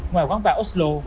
ngoài quán bar oslo